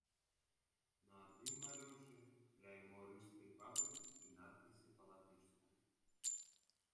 На адным галёшы кляймо рыжскай фабрыкі і надпісы па-латышску.